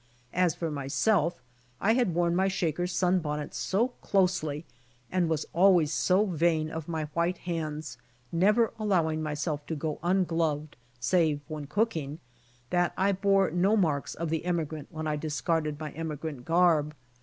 As for myself I had worn my shaker sun bonnet so closely and was always so vain of my white hands, never allowing myself to go ungloved save when cooking, that I bore no marka of the emigrant, when I discarded my emigrant garb.